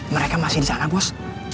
mereka masih di sana bus